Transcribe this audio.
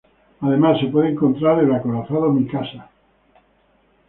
Además se puede encontrar el acorazado Mikasa.